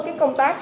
cái công tác này